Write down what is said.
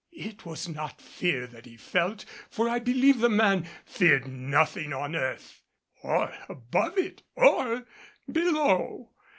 It was not fear that he felt, for I believe the man feared nothing on earth or above it or below.